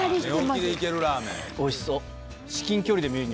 おいしそう。